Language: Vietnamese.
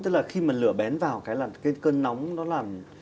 tức là khi mà lửa bén vào cái cơn nóng đó làm